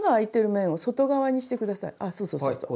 あそうそうそうそう。